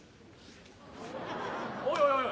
おいおいおい！